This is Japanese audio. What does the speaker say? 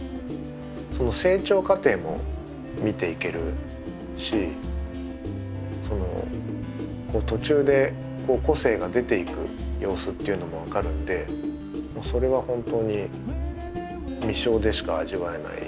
その成長過程も見ていけるし途中で個性が出ていく様子っていうのも分かるんでそれは本当に実生でしか味わえない楽しさだと思ってます。